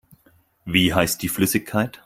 Wie heißt die Flüssigkeit?